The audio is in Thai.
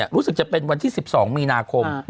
รู้สึกจะเป็นวันที่๑๒มีนาคม